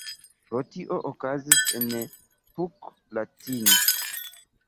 Pro tio okazis en Puck la tn.